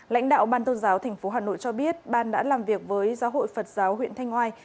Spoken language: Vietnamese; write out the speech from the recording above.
lãnh đạo ban tôn giáo tp hà nội cho biết ban đã làm việc với giáo hội phật giáo huyện thanh oai